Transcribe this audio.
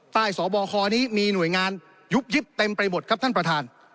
สบคนี้มีหน่วยงานยุบยิบเต็มไปหมดครับท่านประธาน